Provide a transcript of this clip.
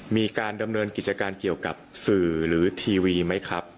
มีการดำเนินกิจการเกี่ยวกับสื่อหรือทีวีไหมครับ